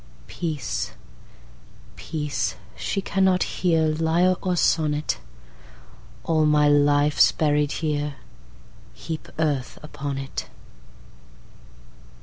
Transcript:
Peace, peace; she cannot hearLyre or sonnet; All my life's buried here, Heap earth upon it.